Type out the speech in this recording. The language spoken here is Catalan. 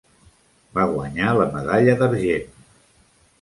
Va guanyar la medalla d'argent.